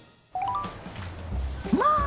まあ！